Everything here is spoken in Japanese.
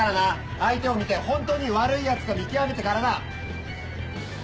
相手を見て本当に悪いやつか見極めてからだ！